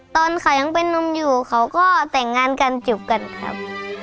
ตอนเขายังเป็นนุ่มอยู่เขาก็แต่งงานกันจบกันครับ